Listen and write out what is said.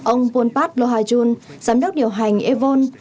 ông polpat lohajun giám đốc điều hành evon